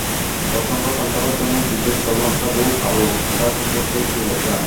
প্রসঙ্গ পাল্টাবর জন্যে জিজ্ঞেস করলাম, সাধু কালু খাঁ সম্পর্কে কী জানেন?